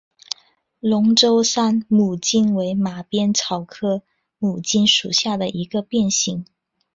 龙州山牡荆为马鞭草科牡荆属下的一个变型。